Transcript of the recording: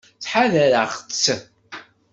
Ttḥadareɣ-tt.